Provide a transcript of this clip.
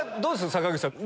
坂口さん。